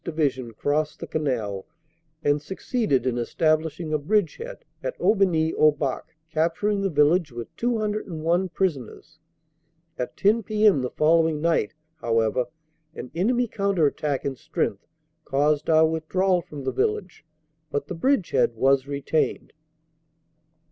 Division crossed the Canal and succeeded in establishing a bridgehead at Aubigny au Bac, capturing the village with 201 prisoners. At 10 p.m. the following night, however, an enemy counter attack in strength caused our withdrawal from the village, but the bridgehead was retained.